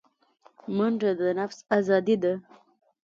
منډه د نفس آزادي ده